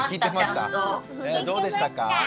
どうでしたか？